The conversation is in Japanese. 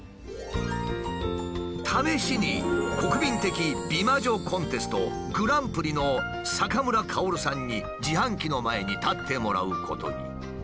試しに国民的美魔女コンテストグランプリの坂村かおるさんに自販機の前に立ってもらうことに。